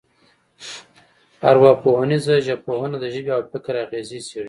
ارواپوهنیزه ژبپوهنه د ژبې او فکر اغېزې څېړي